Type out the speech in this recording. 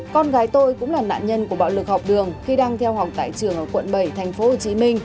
con gái tôi cũng là nạn nhân của bạo lực học đường khi đang theo học tại trường ở quận bảy tp hcm